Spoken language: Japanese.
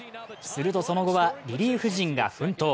するとその後はリリーフ陣が奮闘。